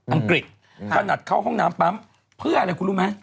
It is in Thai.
อังกฤษขนาดเข้าห้องน้ำปั๊มเพื่ออะไรคุณรู้ไหม